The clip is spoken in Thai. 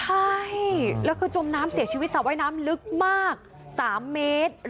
ใช่แล้วคือจมน้ำเสียชีวิตสระว่ายน้ำลึกมาก๓เมตร